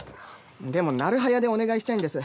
でもなる早でお願いしたいんです。